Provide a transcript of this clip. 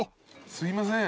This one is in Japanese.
すいません。